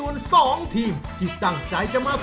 ยิ่งใหม่ว่าจะเผทยาลัย